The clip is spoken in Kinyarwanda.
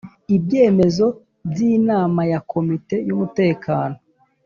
Ibyemezo by inama ya Komite y umutekano